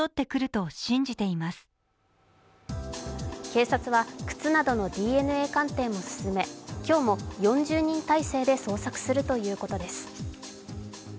警察は靴などのＤＮＡ鑑定も進め、今日も４０人態勢で捜索するということです。